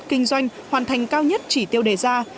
kinh doanh hoàn thành cao nhất chỉ tiêu đề ra